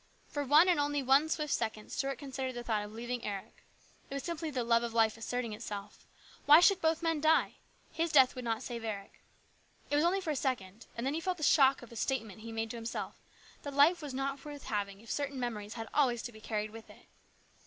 For one and only one swift second Stuart considered the thought of leaving Eric. It was simply the love of life asserting itself. Why should both men die? His death would not save Eric. It was for only a second, and then he felt the shock of a statement he made to himself, that life was not worth having if certain memories had always to be carried with it.